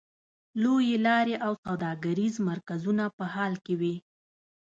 لویې لارې او سوداګریز مرکزونه په حال کې وې.